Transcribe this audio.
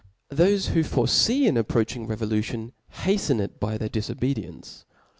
Thofe who forefee an approaching revolu* tion, haftcn it by their difobedience.